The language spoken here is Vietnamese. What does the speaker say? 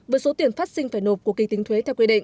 với số tiền phát sinh phải nộp của kỳ tính thuế theo quy định